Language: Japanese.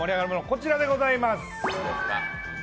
こちらでございます。